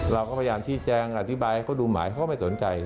เราก็พยายามชี้แจงอธิบายให้เขาดูหมายเขาไม่สนใจ